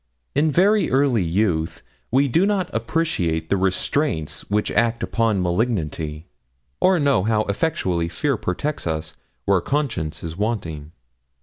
In very early youth we do not appreciate the restraints which act upon malignity, or know how effectually fear protects us where conscience is wanting.